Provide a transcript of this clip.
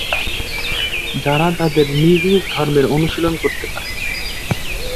যারা তাদের নিজ নিজ ধর্মের অনুশীলন করতে পারে।